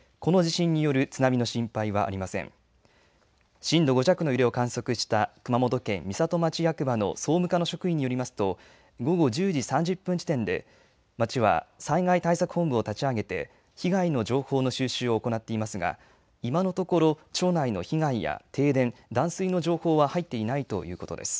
震度５弱の揺れを観測した熊本県美里町役場の総務課の職員によりますと、午後１０時３０分時点で、町は災害対策本部を立ち上げて、被害の情報の収集を行っていますが、今のところ、町内の被害や停電、断水の情報は入っていないということです。